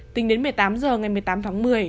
tính đến một mươi tám h ngày một mươi tám tháng một mươi